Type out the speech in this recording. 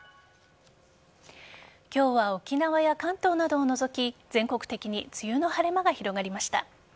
今日は沖縄や関東などを除き全国的に梅雨の晴れ間が広がりました。